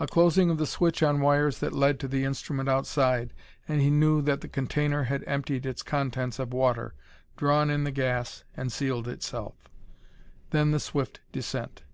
A closing of the switch on wires that led to the instrument outside, and he knew that the container had emptied its contents of water, drawn in the gas and sealed itself. Then the swift descent.